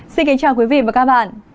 xin kính chào quý vị và các bạn